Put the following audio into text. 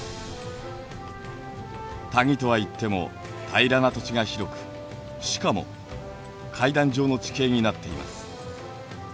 谷とはいっても平らな土地が広くしかも階段状の地形になっています。